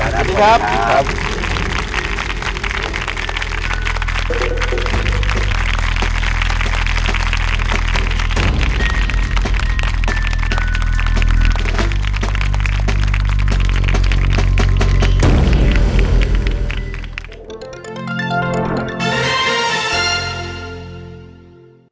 โปรดติดตามตอนต่อไป